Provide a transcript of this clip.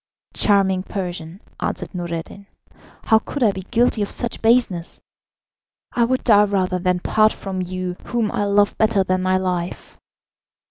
"Charming Persian," answered Noureddin, "how could I be guilty of such baseness? I would die rather than part from you whom I love better than my life."